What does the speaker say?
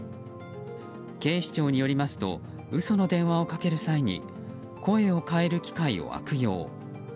警視庁によりますと嘘の電話をかける際に声を変える機械を悪用。